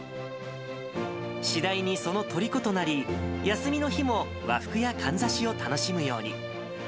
次第にそのとりことなり、休みの日も和服やかんざしを楽しむように。